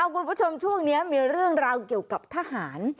คุณผู้ชมช่วงนี้มีเรื่องราวเกี่ยวกับทหาร